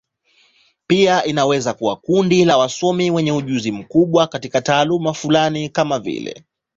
Pia inaweza kuwa kundi la wasomi wenye ujuzi mkubwa katika taaluma fulani, kama vile.